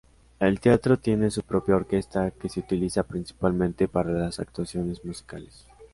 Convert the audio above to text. El teatro tiene su propia orquesta, que se utiliza principalmente para las actuaciones musicales.